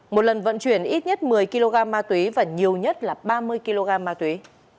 một lần vận chuyển ít nhất một mươi kg ma túy và nhiều nhất là ba mươi kg ma túy